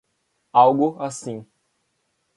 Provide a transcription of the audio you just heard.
Algo assim